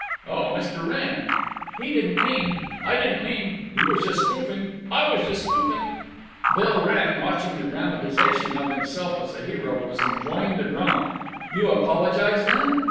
"Oh, Mr. Wrenn—" "He didn't mean—" "I didn't mean—" "He was just spoofing—" "I was just spoofing—" Bill Wrenn, watching the dramatization of himself as hero, was enjoying the drama. "You apologize, then?"